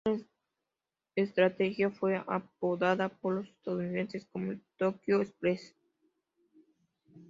Esta estrategia fue apodada por los estadounidenses como el "Tokyo Express".